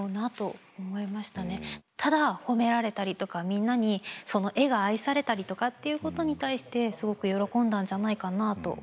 ただ褒められたりとかみんなにその絵が愛されたりとかっていうことに対してすごく喜んだんじゃないかなと思いました。